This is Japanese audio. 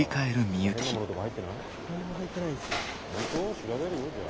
調べるよ。